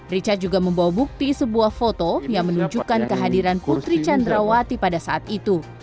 richard juga membawa bukti sebuah foto yang menunjukkan kehadiran putri candrawati pada saat itu